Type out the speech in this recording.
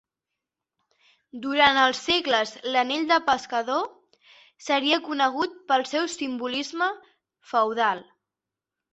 Durant els segles, l'Anell del Pescador seria conegut pel seu simbolisme feudal.